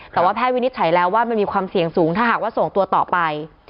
แต่ว่าแพทย์วินิจฉัยแล้วว่ามันมีความเสี่ยงสูงถ้าหากว่าส่งตัวต่อไป